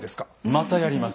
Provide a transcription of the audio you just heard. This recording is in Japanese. またやります。